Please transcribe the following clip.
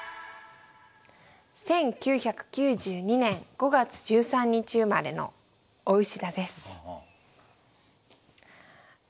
１９９２年５月１３日生まれのおうし座です。